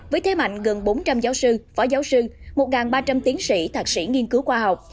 với thế mạnh gần bốn trăm linh giáo sư phó giáo sư một ba trăm linh tiến sĩ thạc sĩ nghiên cứu khoa học